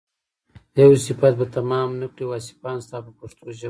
یو صفت به تمام نه کړي واصفان ستا په پښتو ژبه.